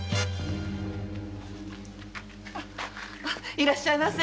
いらっしゃいませ。